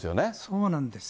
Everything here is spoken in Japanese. そうなんです。